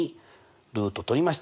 ルートとりました。